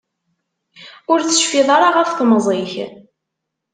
Ur tecfiḍ ara ɣef temẓi-k.